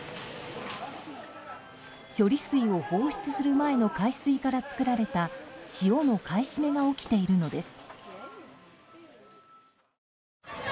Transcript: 処理水を放出する前の海水から作られた塩の買い占めが起きているのです。